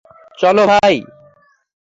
চলো, ভাই।